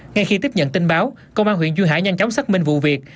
ngay khi tiếp nhận tin báo công an huyện duy hải nhanh chóng xác minh vụ việc